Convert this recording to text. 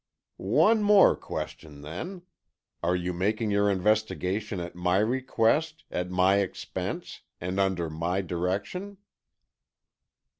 "One more question, then. Are you making your investigation at my request, at my expense, and under my direction?"